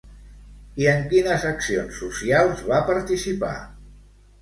I en quines accions socials va participar?